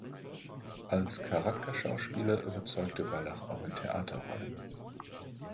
Als Charakterschauspieler überzeugte Wallach auch in Theaterrollen.